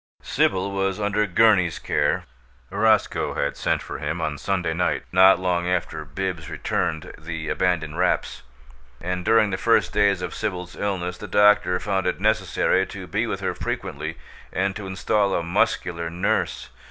Sibyl was under Gurney's care. Roscoe had sent for him on Sunday night, not long after Bibbs returned the abandoned wraps; and during the first days of Sibyl's illness the doctor found it necessary to be with her frequently, and to install a muscular nurse.